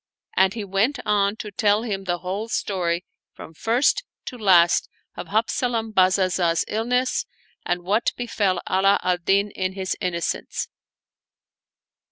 And he went on to tell him the whole story from first to last of Habzalam Bazazah's illness and what befell Ala al Din in his innocence.